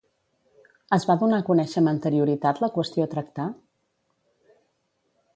Es va donar a conèixer amb anterioritat la qüestió a tractar?